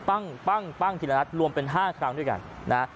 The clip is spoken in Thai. ปั้งปั้งทีละนัดรวมเป็น๕ครั้งด้วยกันนะ